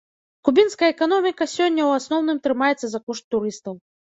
Кубінская эканоміка сёння ў асноўным трымаецца за кошт турыстаў.